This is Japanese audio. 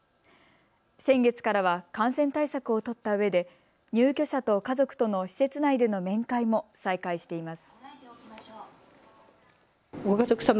先月からは感染対策を取ったうえで入居者と家族との施設内での面会も再開しています。